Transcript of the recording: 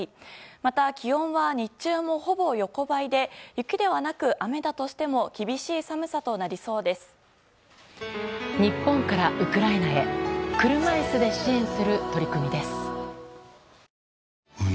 また、気温は日中もほぼ横ばいで雪ではなく雨だとしても厳しい寒さとなりそうです。